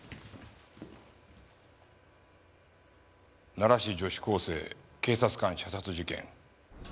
奈良市女子高生・警察官射殺事件。